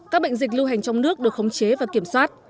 các bệnh dịch lưu hành trong nước được khống chế và kiểm soát